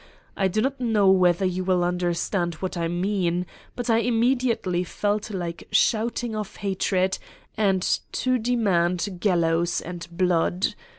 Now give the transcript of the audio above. I do not know whether you will understand what I mean, but I immedi ately felt like shouting of hatred and to demand gallows and blood.